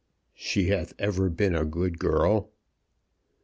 She hath ever been a good girl."